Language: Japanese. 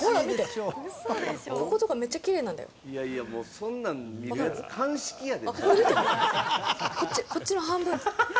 そんなん見るやつ、鑑識やで？